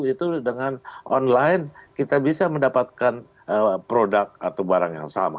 itu dengan online kita bisa mendapatkan produk atau barang yang sama